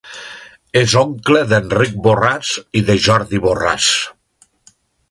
És oncle d'Enric Borràs i de Jordi Borràs.